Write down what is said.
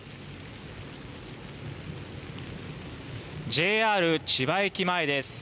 ＪＲ千葉駅前です。